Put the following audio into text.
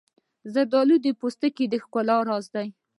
زردالو د پوست د ښکلا راز دی.